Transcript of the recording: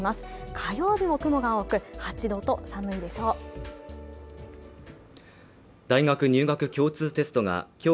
火曜日も雲が多く８度と寒いでしょう